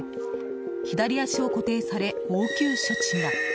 左足を固定され、応急処置が。